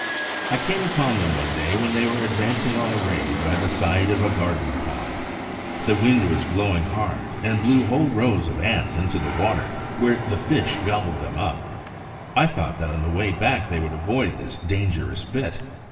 I came upon them one day when they were advancing on a raid by the side of a garden pond. The wind was blowing hard and blew whole rows of the Ants into the water, where the Fish gobbled them up. I thought that on the way back they would avoid this dangerous bit.